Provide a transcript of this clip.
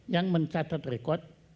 yang mencatat rekod